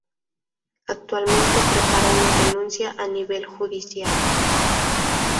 Actualmente prepara una denuncia a nivel judicial.